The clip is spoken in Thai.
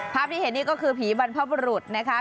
ภาพที่เห็นนี่ก็คือผีบรรพบรุษนะคะ